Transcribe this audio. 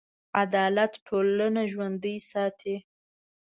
عدالت ټولنه ژوندي ساتي.